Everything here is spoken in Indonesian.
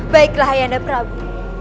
baiklah ayahanda prabu